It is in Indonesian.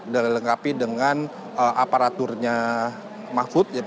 dilinggapi dengan aparaturnya mahfud